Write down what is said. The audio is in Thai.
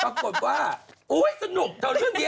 ปรากฏว่าโอ้โหยสนุกแต่ว่าเมื่อกี้